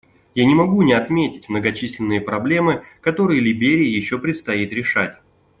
Я не могу не отметить многочисленные проблемы, которые Либерии еще предстоит решать.